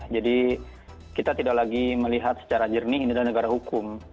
jadi kita tidak lagi melihat secara jernih ini adalah negara hukum